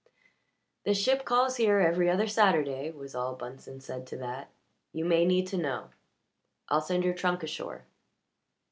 "The ship calls here every other Saturday," was all Bunsen said to that. "You may need to know. I'll send your trunk ashore."